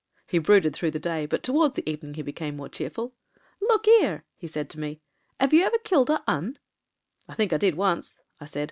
He brooded through the day, but towards the evening he became more cheerful. " 'Look 'ere/ he said to me, ' 'ave you ever killed a'Un?' " 'I think I did once,' I said.